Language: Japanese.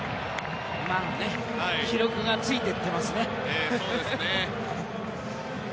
記録がついて行ってますね。